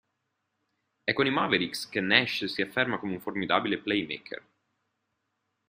È con i Mavericks che Nash si afferma come un formidabile playmaker.